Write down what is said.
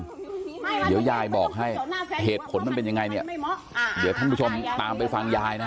ญายนี้ว่าเป็นเรื่องหน้าแฟนหรือว่าเป็นอะไรยายบอกให้เหตุผลมันเป็นยังไงเนี่ย